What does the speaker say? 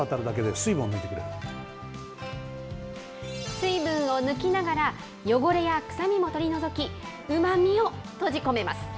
水分を抜きながら、汚れや臭みも取り除き、うまみを閉じ込めます。